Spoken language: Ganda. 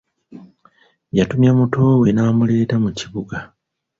Yatumya muto we n'amuleeta mu kibuga.